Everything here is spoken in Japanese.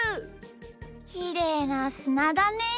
きれいなすなだね。